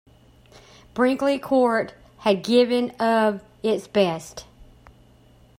Brinkley Court had given of its best.